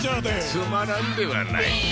つまらんではないか。